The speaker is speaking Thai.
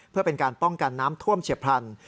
เพื่อเป็นการป้องกันน้ำท่วมเฉียบพลัน